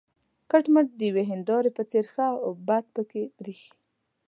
کټ مټ د یوې هینداره په څېر ښه او بد پکې برېښي.